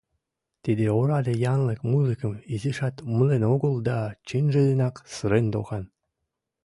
Тиде ораде янлык музыкым изишат умылен огыл да чынже денак сырен докан...